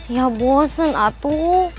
ya bosen atu